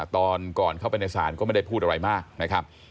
ตอนก่อนเข้าไปในศาลก็ไม่ได้พูดอะไรมากนะครับ